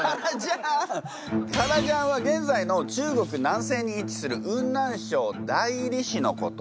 カラジャンは現在の中国南西に位置する雲南省大理市のこと。